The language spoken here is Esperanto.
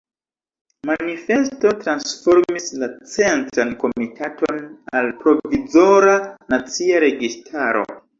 Manifesto transformis la Centran Komitaton al Provizora Nacia Registaro.